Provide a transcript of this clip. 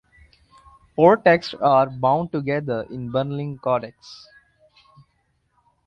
Four texts are bound together in the Berlin Codex.